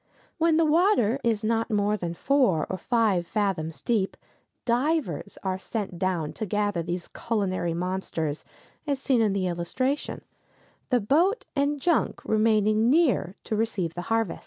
When the water is not more than four or five fathoms deep, divers are sent down to gather these culinary monsters, as seen in the illustration, the boat and junk remaining near to receive the harvest.